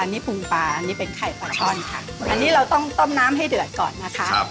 มองเหมือนแห้งแต่จริงไม่แห้งนะคะ